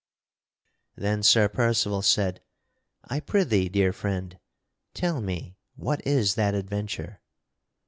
Then Sir Percival said: "I prithee, dear friend, tell me what is that adventure."